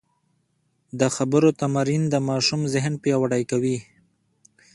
د خبرو تمرین د ماشوم ذهن پیاوړی کوي.